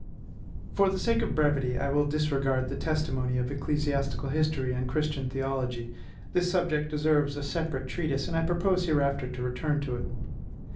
For the sake of brevity, I will disregard the testimony of ecclesiastical history and Christian theology: this subject deserves a separate treatise, and I propose hereafter to return to it.